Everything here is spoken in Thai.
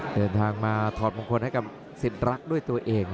เดินทางมาถอดมงคลให้กับสิทธิ์รักด้วยตัวเอง